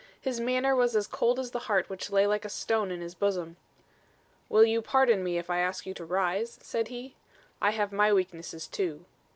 His manner was as cold as the heart which lay like a stone in his bosom. "Will you pardon me if I ask you to rise?" said he. "I have my weaknesses too."